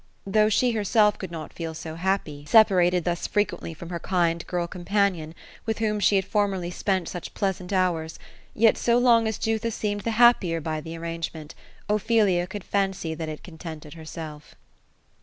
Though she herself could not feel so happy, separated thus frequently from hof THE ROSE OF ELSINORE. 215 kind girl companion, with whom she had formerly spent such pleasant hours, vet. so long as Jutha seemed the happier by the arrangement^ Ophelia could fancy that it contented herself.